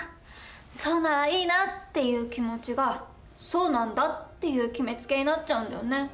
「そうならいいな」っていう気持ちが「そうなんだ」っていう決めつけになっちゃうんだよね。